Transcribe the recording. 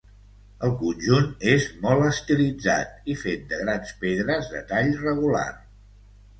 El conjunt és molt estilitzat i fet de grans pedres de tall regular.